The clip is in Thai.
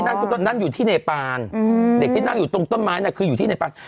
ตอนนั้นอยู่ที่เนปานเด็กที่นั่งอยู่ตรงต้นไม้น่ะคืออยู่ที่เนปาน